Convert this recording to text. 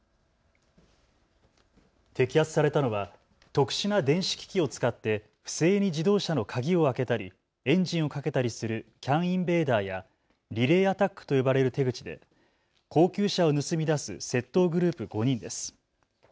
摘発されたのは特殊な電子機器を使って不正に自動車の鍵を開けたりエンジンをかけたりするＣＡＮインベーダーやリレーアタックと呼ばれる手口で高級車を盗み出す窃盗グループ５人です。